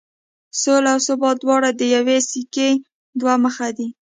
سوله او ثبات دواړه د یوې سکې دوه مخ دي.